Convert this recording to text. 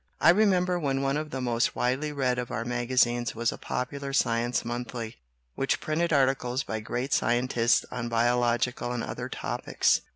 "I remember when one of the most widely read of our magazines was a popular science monthly, which printed articles by great scientists on bio logical and other topics.